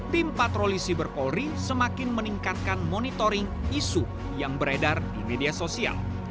tim patroli siber polri semakin meningkatkan monitoring isu yang beredar di media sosial